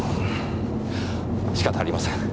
仕方ありません。